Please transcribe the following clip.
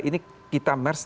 ini kita merge